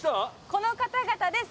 この方々です。